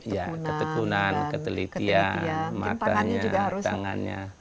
ya ketekunan ketelitian matanya tangannya